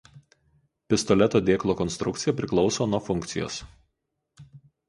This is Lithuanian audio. Pistoleto dėklo konstrukcija priklauso nuo funkcijos.